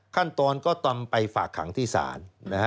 ขั้นตอนก็นำไปฝากขังที่ศาล